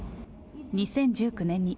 ２０１９年に。